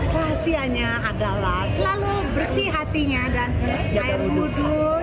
rahasianya adalah selalu bersih hatinya dan air muduh